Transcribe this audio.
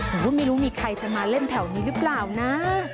ไม่รู้มีใครจะมาเล่นแถวนี้หรือเปล่านะ